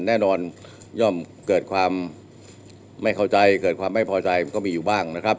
แน่นอนเกิดความไม่เข้าใจเกิดความไม่พอใจก็มีอยู่บ้าง